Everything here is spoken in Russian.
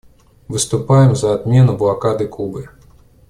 Выступаем за отмену блокады Кубы.